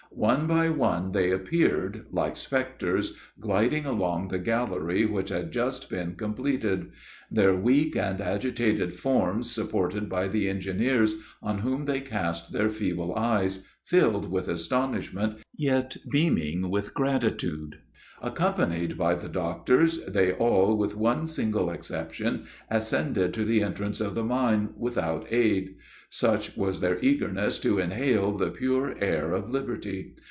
One by one, they appeared, like specters, gliding along the gallery which had just been completed; their weak and agitated forms supported by the engineers, on whom they cast their feeble eyes, filled with astonishment, yet beaming with gratitude. Accompanied by the doctors, they all with one single exception, ascended to the entrance of the mine, without aid; such was their eagerness to inhale the pure air of liberty.